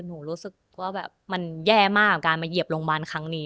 รู้สึกว่าแบบมันแย่มากกับการมาเหยียบโรงพยาบาลครั้งนี้